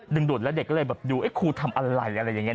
ดูดแล้วเด็กก็เลยแบบดูครูทำอะไรอะไรอย่างนี้